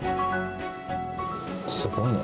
すごいね。